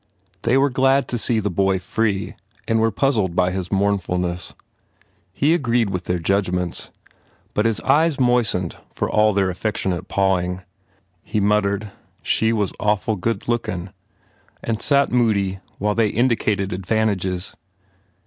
They were glad to see the boy free and were puz zled by his mournfulness. He agreed with their judgments. But his eyes moistened for all their affectionate pawing. He muttered, "She was awful good lookin ," and sat moody while they indicated advantages.